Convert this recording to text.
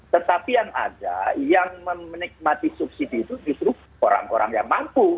tetapi yang ada yang menikmati subsidi itu justru orang orang yang mampu